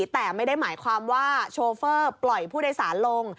แต่ไม่ได้หมายความว่าโชเฟอร์ปล่อยผู้โดยสารลง